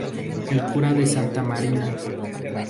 El cura de Santa Marina.